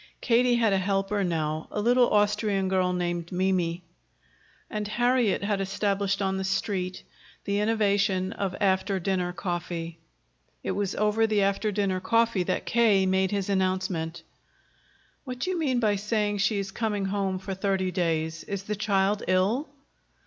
Katie had a helper now, a little Austrian girl named Mimi. And Harriet had established on the Street the innovation of after dinner coffee. It was over the after dinner coffee that K. made his announcement. "What do you mean by saying she is coming home for thirty days? Is the child ill?"